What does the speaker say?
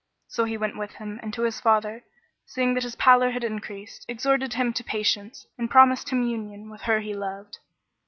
So he went with him and his father, seeing that his pallor had increased, exhorted him to patience and promised him union with her he loved.